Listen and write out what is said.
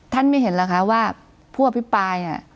ท่านไม่เห็นหรอกคะว่าผู้อภิปราย